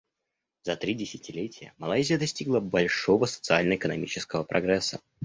За три десятилетия Малайзия достигла большого социально-экономического прогресса.